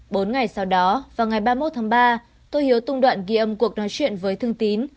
bốn ngày sau đó vào ngày ba mươi một tháng ba tôi hiếu tung đoạn ghi âm cuộc nói chuyện với thương tín